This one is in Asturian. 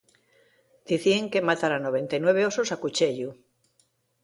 Dicían que matara noventa ya nueve osos a cuchieḷḷu.